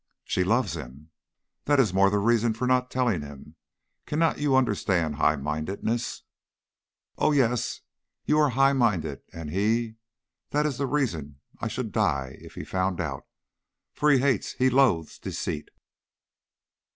"She loves him!" That is the more reason for not telling him. Cannot you understand high mindedness?" "Oh, yes. You are high minded, and he that is the reason I should die if he found out; for he hates, he loathes deceit.